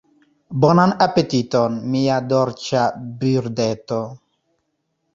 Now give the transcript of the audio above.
Bonan apetiton, mia dolĉa birdeto.